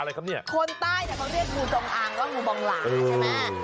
คนใต้เขาเรียกงูจงอางก็งูบองหลาใช่ไหม